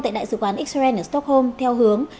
tại đại sứ quán israel ở stockholm theo hướng